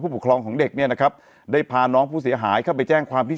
ปกครองของเด็กเนี่ยนะครับได้พาน้องผู้เสียหายเข้าไปแจ้งความที่